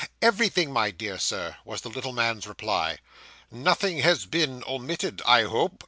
'Everything, my dear Sir,' was the little man's reply. 'Nothing has been omitted, I hope?